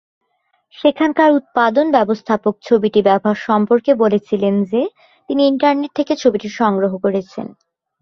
সেখানকার উৎপাদন ব্যবস্থাপক ছবিটি ব্যবহার সম্পর্কে বলেছিলেন যে, তিনি ইন্টারনেট থেকে ছবিটি সংগ্রহ করেছেন।